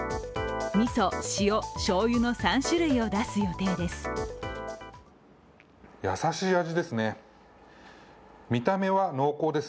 みそ、塩、しょうゆの３種類を出す予定です。